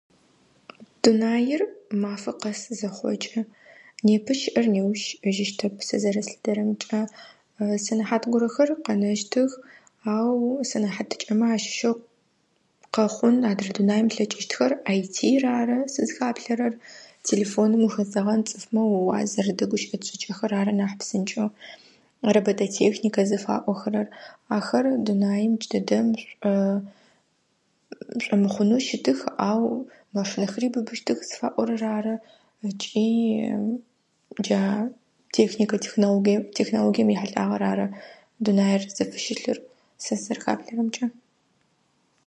Дунаер мафэкъэсы зэхъокӏы, непэ щыӏэр нэуыщ щыӏэжьищтэп сэ зэрэслъытэрэмкӏэ. Сэнэхьэт горэхэр къэнэщтых ау сэнэхъат кӏэмэ ащыщэу къэхъун адрэ дунаим плъэкӏыщтхэр ИТ-ыр ары сызхэплъэрэр тэлэфонум ухэзэгъэн цыфмэ ууаззэрэ дэгущыӏэн шӏыкӏэхэр ары нахъ псынкӏэу арабэдэ тэкникъэ зыфэохэрэр ахэр дунаем кӏыдэдэм шӏо-шӏомыхъунэу щытых ау нэфынэхэри быбыщтых зыфаорэр ары ыкӏи джа тэкникъэ тэкнологие- тэкнологием ехьылагэр ары дунаер зыфы щылъыр сэсызэрэхаплъэрэмкӏэ.